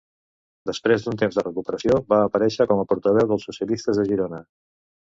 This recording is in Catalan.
Després d'un temps de recuperació va aparèixer com a portaveu dels socialistes de Girona.